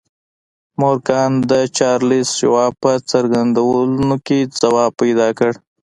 مورګان د چارليس شواب په څرګندونو کې ځواب پيدا کړ.